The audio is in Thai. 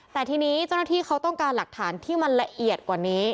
แต่ทีนี้เจ้าหน้าที่เขาต้องการหลักฐานที่มันละเอียดกว่านี้